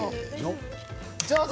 上手。